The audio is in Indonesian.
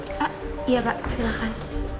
iya pak silahkan